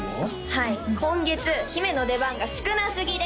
はい今月姫の出番が少なすぎです！